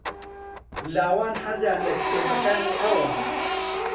لاوان حەزیان لە کتێبەکانی ئەوە.